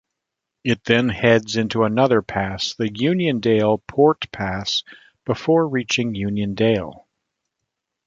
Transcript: It then heads into another pass, the Uniondale Poort Pass, before reaching Uniondale.